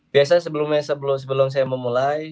biasa sebelumnya sebelum saya memulai